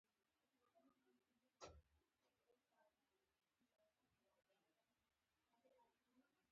خلکو فکر کاوه چې دوی بې لارې او ښویېدلي دي.